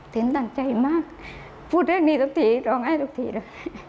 ตั้งใจมากพูดเรื่องนี้สักทีร้องไห้ทุกทีเลย